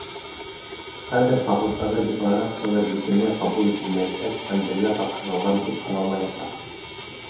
Хәҙер ҡағыҙҙағы декларациялар бөтөнләй ҡабул ителмәйәсәк һәм беҙгә тапшырылған тип һаналмаясаҡ.